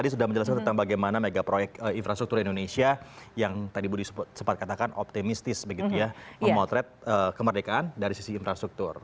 tadi sudah menjelaskan tentang bagaimana mega proyek infrastruktur indonesia yang tadi budi sempat katakan optimistis begitu ya memotret kemerdekaan dari sisi infrastruktur